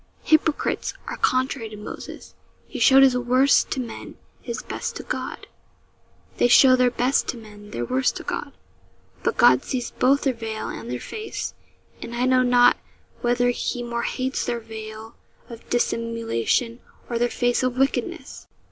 Hypocrites are contrary to Moses. He showed his worst to men, his best to God; they show their best to men, their worst to God; but God sees both their veil and their face, and I know not whether He more hates their veil of dissimulation or their face of wickedness.'